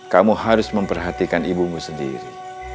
kamu harus memperhatikan ibumu sendiri